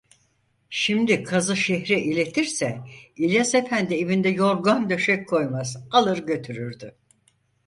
Şimdi kazı şehre iletirse İlyas Efendi evinde yorgan döşek koymaz, alır götürürdü.